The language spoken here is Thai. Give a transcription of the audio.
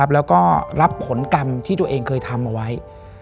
แล้วก็รับผลกรรมที่ตัวเองเคยทำเอาไว้